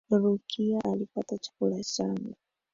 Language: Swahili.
Rukiya alipata chakula changu